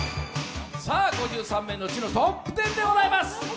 ５３名のうちのトップ１０でございます。